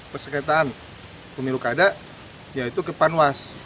pesertaan pemilu kada yaitu ke panwas